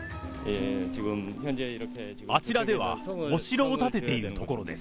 あちらではお城を建てているところです。